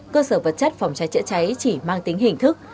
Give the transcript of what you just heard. cơ sở vật chất phòng cháy chữa cháy chỉ mang tính hình thức